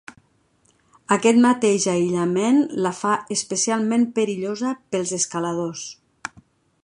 Aquest mateix aïllament la fa especialment perillosa pels escaladors.